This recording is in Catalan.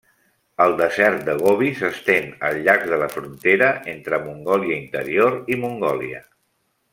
El desert de Gobi s'estén al llarg de la frontera entre Mongòlia Interior i Mongòlia.